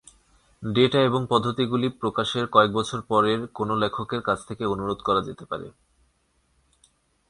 Data এবং পদ্ধতিগুলি প্রকাশের কয়েক বছর পরে কোনও লেখকের কাছ থেকে অনুরোধ করা যেতে পারে।